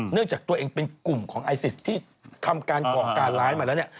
จากตัวเองเป็นกลุ่มของไอซิสที่ทำการก่อการร้ายมาแล้วเนี่ย